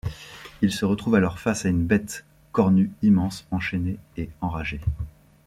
Il se retrouve alors face à une bête cornue immense, enchaînée et enragée.